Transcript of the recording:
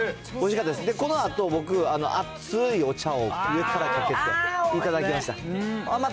このあと僕、熱いお茶を上からかけて頂きました。